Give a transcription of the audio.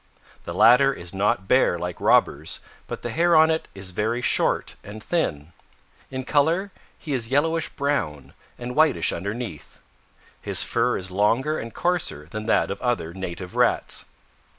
The latter is not bare like Robber's, but the hair on it is very short and thin. In color he is yellowish brown and whitish underneath. His fur is longer and coarser than that of other native Rats.